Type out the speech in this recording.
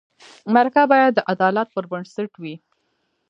مرکه باید د عدالت پر بنسټ وي.